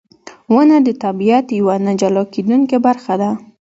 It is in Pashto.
• ونه د طبیعت یوه نه جلا کېدونکې برخه ده.